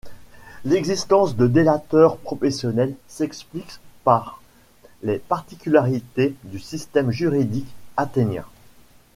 L’existence de délateurs professionnels s’explique par les particularités du système juridique athénien.